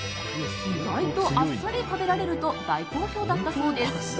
意外とあっさり食べられると大好評だったそうです。